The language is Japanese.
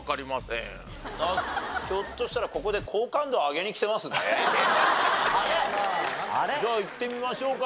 ひょっとしたらここで。じゃあいってみましょうか。